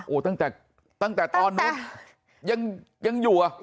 โอ้ตั้งแต่ตอนนู้นยังอยู่เหรอ